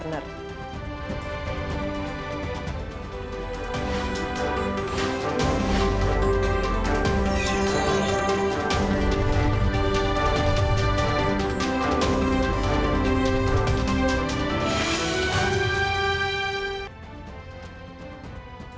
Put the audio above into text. kementerian pendidikan dan kebudayaan